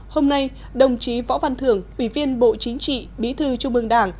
hôm nay đồng chí võ văn thưởng ủy viên bộ chính trị bí thư trung ương đảng